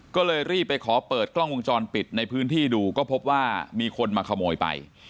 ก็เลยรีบไปขอเปิดกล้องวงจรปิดในพื้นที่ดูก็พบว่ามีคนมาขโมยไป